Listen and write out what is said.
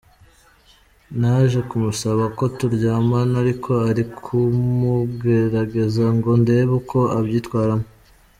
Naje kumusaba ko turyamana ariko ari ukumugerageza ngo ndebe uko abyitwaramo.